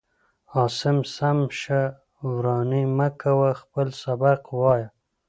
عاصم سم شه وراني من كوه خپل سبق وايا.